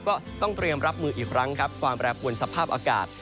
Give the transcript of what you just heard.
ก็ต้องเตรียมรับมืออีกครั้งครับความแปรปวนสภาพอากาศ